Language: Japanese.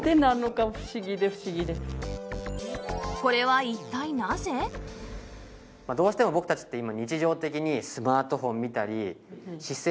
これはどうしても僕たちって今。